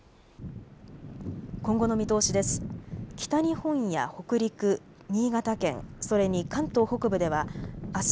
今後の見通しです。